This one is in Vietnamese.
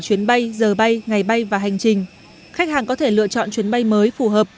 chuyến bay giờ bay ngày bay và hành trình khách hàng có thể lựa chọn chuyến bay mới phù hợp